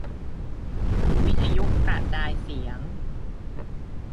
วิทยุกระจายเสียง